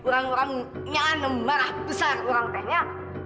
kamu kamu kamu marah besar orang tehnya